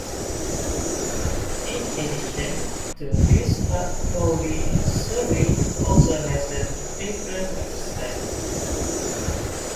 In addition, to this Heart Crawley and Surrey also has a different website.